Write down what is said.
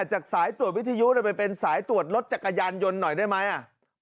จากสายตรวจวิทยุไปเป็นสายตรวจรถจักรยานยนต์หน่อยได้ไหม